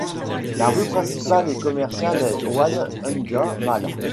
La rue principale et commerciale est Onehunga Mall.